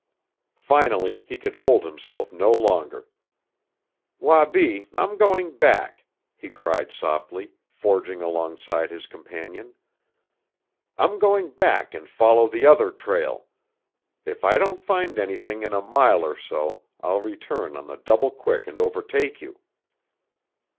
Finally he could hold himself no longer. "Wabi, I'm going back," he cried softly, forging alongside his companion. "I'm going back and follow the other trail. If I don't find anything in a mile or so I'll return on the double quick and overtake you!"